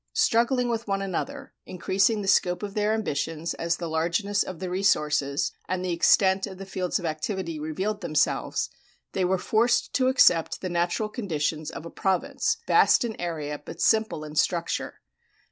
Struggling with one another, increasing the scope of their ambitions as the largeness of the resources and the extent of the fields of activity revealed themselves, they were forced to accept the natural conditions of a province vast in area but simple in structure.